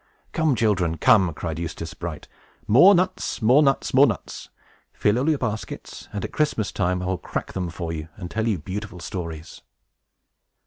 "Come, children, come!" cried Eustace Bright. "More nuts, more nuts, more nuts! Fill all your baskets; and, at Christmas time, I will crack them for you, and tell you beautiful stories!"